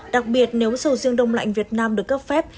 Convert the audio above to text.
đặc biệt nếu sầu riêng đông lạnh việt nam được cấp phép